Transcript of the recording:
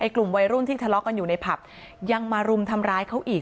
กลุ่มวัยรุ่นที่ทะเลาะกันอยู่ในผับยังมารุมทำร้ายเขาอีก